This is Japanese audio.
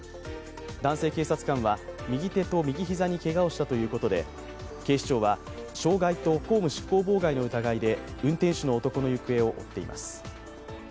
男性警察官は右手と右膝にけがをしたということで、警視庁は障害と公務執行妨害の疑いで運転手の男の行方を追っています。